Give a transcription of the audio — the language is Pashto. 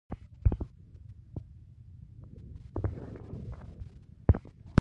سوډاني متل وایي هیله او امید سندرې ویلو ته پیدا کوي.